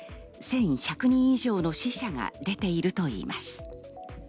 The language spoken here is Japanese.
１１００人以上の死者が出ているといいます。